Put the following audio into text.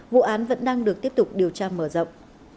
vụ án vẫn đang được tiếp tục điều tra mở rộng